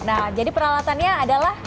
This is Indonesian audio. nah jadi peralatannya adalah